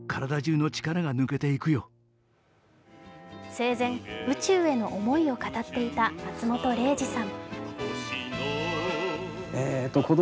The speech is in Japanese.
生前、宇宙への思いを語っていた松本零士さん。